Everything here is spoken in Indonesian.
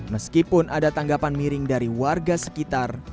meskipun ada tanggapan miring dari warga sekitar